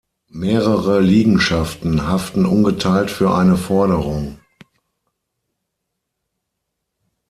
Mehrere Liegenschaften haften ungeteilt für eine Forderung.